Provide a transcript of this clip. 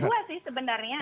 ada dua sih sebenarnya